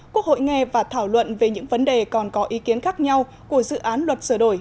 quốc hội nghe và thảo luận về những vấn đề còn có ý kiến khác nhau của dự án luật sửa đổi